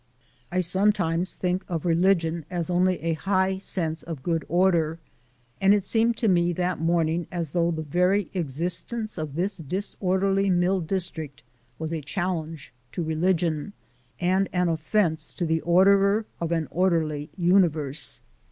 I sometimes think of religion as only a high sense of good order; and it seemed to me that morning as though the very existence of this disorderly mill district was a challenge to religion, and an offence to the Orderer of an Orderly Universe.